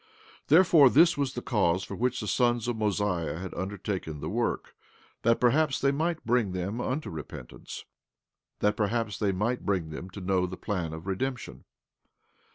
17:16 Therefore, this was the cause for which the sons of Mosiah had undertaken the work, that perhaps they might bring them unto repentance; that perhaps they might bring them to know of the plan of redemption.